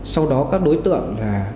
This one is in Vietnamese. sau đó các đối tượng